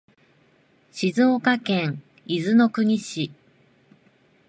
静岡県伊豆の国市